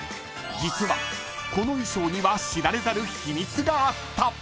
［実はこの衣装には知られざる秘密があった］